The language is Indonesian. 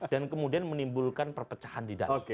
dan kemudian menimbulkan perpecahan di dalam